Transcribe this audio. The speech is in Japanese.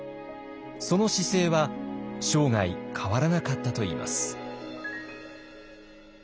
その姿勢は生涯変わらなかったといいます。